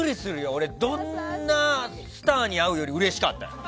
俺、どんなスターに会うよりうれしかったよ。